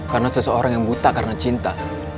karena seseorang yang buta karena cinta